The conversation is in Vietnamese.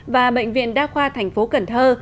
và bệnh viện đa khoa thành phố cần thơ